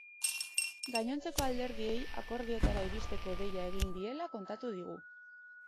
Gainontzeko alderdiei akordioetara iristeko deia egin diela kontatu digu.